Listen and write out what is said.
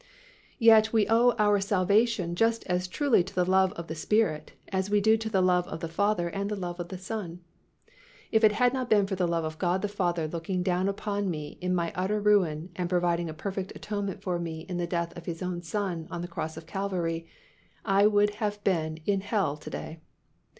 Yet we owe our salvation just as truly to the love of the Spirit as we do to the love of the Father and the love of the Son. If it had not been for the love of God the Father looking down upon me in my utter ruin and providing a perfect atonement for me in the death of His own Son on the cross of Calvary, I would have been in hell to day.